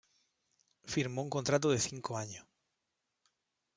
Firmó un contrato de cinco años.